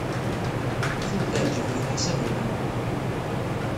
Ad ten-teɛjeb, ɣef leḥsab-nnem?